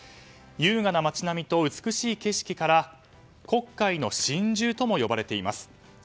優雅な街並みと美しい景色から黒海の真珠とも呼ばれています。